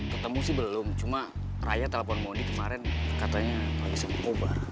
ketemu sih belum cuma raya telepon modi kemarin katanya lagi sama kobar